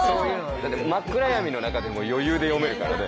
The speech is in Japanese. だって真っ暗闇の中でも余裕で読めるからね。